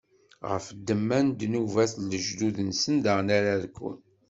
Ɣef ddemma n ddnubat n lejdud-nsen daɣen ara rkun.